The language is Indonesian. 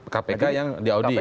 kpk yang di audit